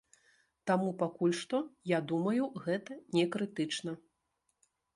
Таму пакуль што, я думаю, гэта не крытычна.